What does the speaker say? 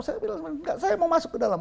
saya bilang enggak saya mau masuk ke dalam